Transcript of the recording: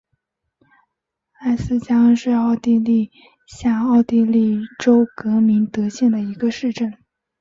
艾斯加恩是奥地利下奥地利州格明德县的一个市镇。